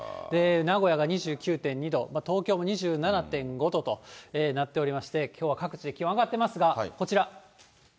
名古屋が２９．２度、東京も２７．５度となっておりまして、きょうは各地、気温上がってますが、こちら。